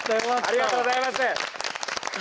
ありがとうございます。